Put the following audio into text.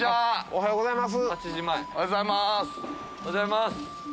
おはようございます。